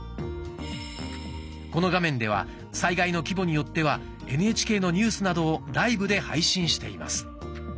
この画面では災害の規模によってはＮＨＫのニュースなどをライブで配信しています。